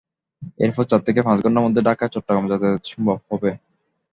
এরপর চার থেকে পাঁচ ঘণ্টার মধ্যে ঢাকা চট্টগ্রামে যাতায়াত সম্ভব হবে।